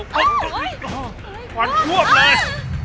ควันควบเลย